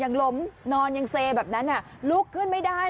ยังล้มนอนยังเซแบบนั้นลุกขึ้นไม่ได้